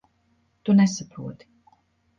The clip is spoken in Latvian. Tu nesaproti.